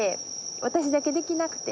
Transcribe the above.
私だけできなくて。